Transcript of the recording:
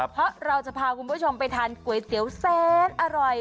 เพราะเราจะพาคุณผู้ชมไปทานก๋วยเตี๋ยวแสนอร่อย